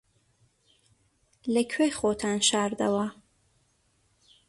لەکوێ خۆتان شاردەوە؟